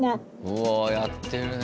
うわやってるね。